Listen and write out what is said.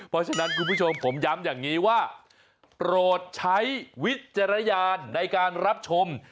เพราะฉะนั้นคุณผู้ชมผมย้ำอย่างนี้ว่าโปรดใช้วิจารณญาณในการรับชม